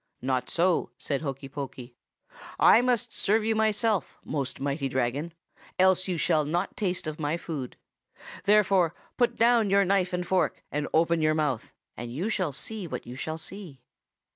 "'Not so,' said Hokey Pokey. 'I must serve you myself, most mighty Dragon, else you shall not taste of my food. Therefore put down your knife and fork, and open your mouth, and you shall see what you shall see.